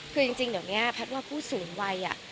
คือจริงเดี๋ยวหน่อยพัดว่าผู้สูงวัย